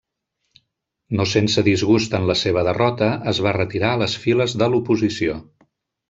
No sense disgust en la seva derrota, es va retirar a les files de l'oposició.